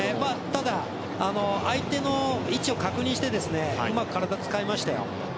ただ相手の位置を確認してうまく体を使いましたよ。